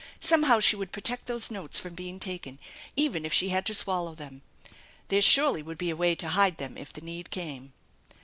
Somehow she would protect those notes from being taken, even if she had to swallow them. There surely would be a way to hide them if the need came.